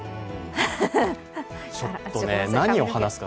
ちょっと何を話すか。